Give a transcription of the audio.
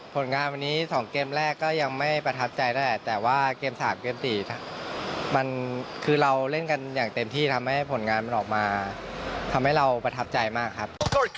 ผลงานวันนี้๒เกมแรกก็ยังไม่ประทับใจนั่นแหละแต่ว่าเกม๓เกม๔มันคือเราเล่นกันอย่างเต็มที่ทำให้ผลงานมันออกมาทำให้เราประทับใจมากครับ